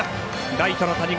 ライトの谷口